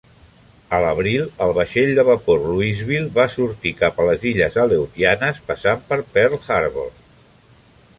A l'abril, el vaixell de vapor "Louisville" va sortir cap a les illes Aleutianes, passant per Pearl Harbor.